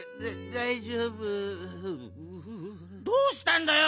どうしたんだよ？